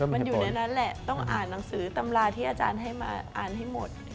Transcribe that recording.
มันอยู่ในนั้นแหละต้องอ่านหนังสือตำราที่อาจารย์ให้มาอ่านให้หมด